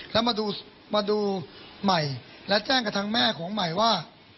แล้วมาดูใหม่และแจ้งกับทางแม่ของใหม่ว่า